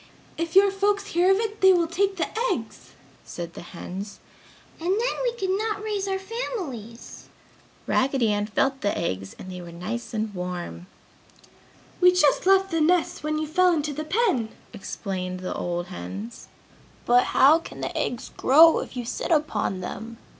"If your folks hear of it they will take the eggs!" said the hens, "and then we could not raise our families!" Raggedy Ann felt the eggs and they were nice and warm. "We just left the nests when you fell into the pen!" explained the old hens. "But how can the eggs grow if you sit upon them?"